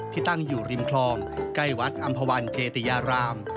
ตั้งอยู่ริมคลองใกล้วัดอำภาวันเจติยาราม